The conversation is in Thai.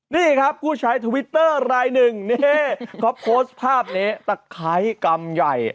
นี่ครับผู้ใช้ทวิตเตอร์รายหนึ่งนี่เขาโพสต์ภาพนี้ตะไคร้กำใหญ่